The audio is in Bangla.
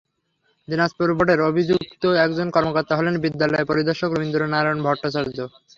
দিনাজপুর বোর্ডের অভিযুক্ত একজন কর্মকর্তা হলেন বিদ্যালয় পরিদর্শক রবীন্দ্র নারায়ণ ভট্টাচার্য।